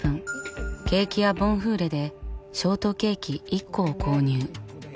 ケーキ屋ボンフーレでショートケーキ１個を購入。